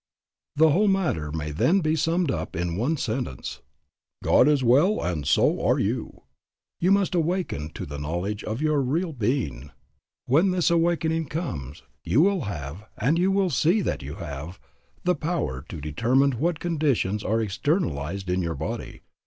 The whole matter may then be summed up in the one sentence, "God is well and so are you." You must awaken to the knowledge of your real being. When this awakening comes, you will have, and you will see that you have, the power to determine what conditions are externalized in your body.